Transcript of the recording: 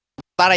yang saat ini